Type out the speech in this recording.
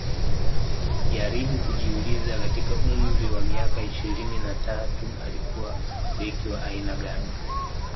jaribu kujiuliza katika umri wa miaka ishirini na tatu alikuwa beki wa aina gani